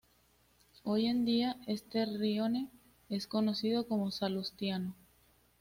Hoy en día, este rione es conocido como Salustiano.